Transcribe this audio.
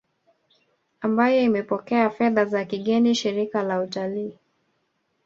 ambayo imepokea fedha za kigeni Shirika la Utalii